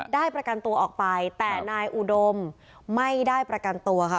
ประกันตัวออกไปแต่นายอุดมไม่ได้ประกันตัวค่ะ